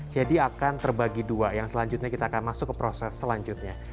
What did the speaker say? jadi akan terbagi dua yang selanjutnya kita akan masuk ke proses selanjutnya